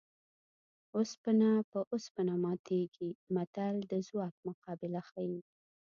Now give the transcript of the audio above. اوسپنه په اوسپنه ماتېږي متل د ځواک مقابله ښيي